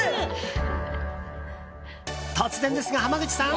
突然ですが、濱口さん